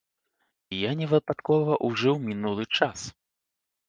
Я невыпадкова ужыў мінулы час.